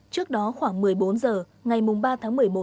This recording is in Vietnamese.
trước đó khoảng một mươi bốn h ngày ba tháng một mươi một